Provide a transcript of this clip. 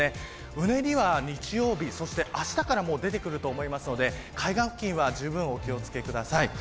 うねりは日曜日、そしてあしたからも出てくると思いますので海岸付近はじゅうぶんお気を付けください。